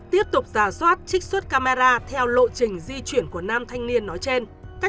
tiếp tục giả soát trích xuất camera theo lộ trình di chuyển của nam thanh niên nói trên